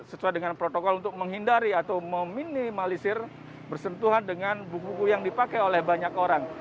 sesuai dengan protokol untuk menghindari atau meminimalisir bersentuhan dengan buku buku yang dipakai oleh banyak orang